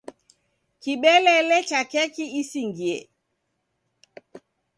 Kibelele cha keki isingie.